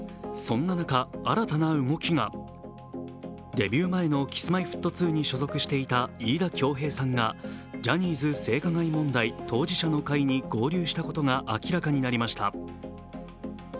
デビュー前のＫｉｓ−Ｍｙ−Ｆｔ２に所属していた飯田恭平さんがジャニーズ性加害問題当事者の会に合流したことが明らかになりました。